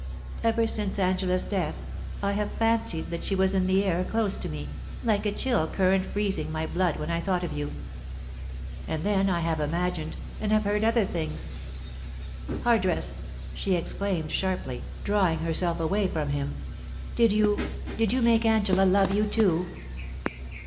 Ever since Angela's death, I have fancied that she was in the air dose to me, like a chill 341 POLICY AND PASSION. current freezing my blood when I thought of you, .•. And then I have imagined, and have heard other things. Hardress !* she exclaimed sharply, drawing herself away from him, * did you — did you make Angela love you too